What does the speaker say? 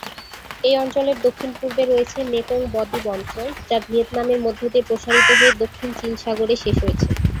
এই অঞ্চলের দক্ষিণ-পূর্বে রয়েছে মেকং ব-দ্বীপ অঞ্চল, যা ভিয়েতনামের মধ্য দিয়ে প্রসারিত হয়ে দক্ষিণ চীন সাগরে শেষ হয়েছে।